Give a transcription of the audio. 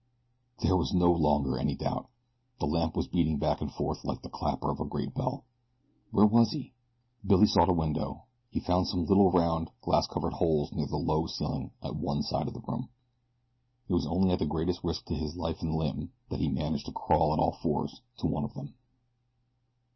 There was no longer any doubt! The lamp was beating back and forth like the clapper of a great bell. Where was he? Billy sought a window. He found some little round, glass covered holes near the low ceiling at one side of the room. It was only at the greatest risk to life and limb that he managed to crawl on all fours to one of them.